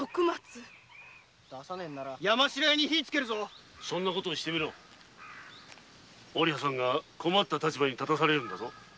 出さねぇなら山城屋に火をつけるぞそんなことをしたらおりはさんが困った立場に立たされるんだぞ。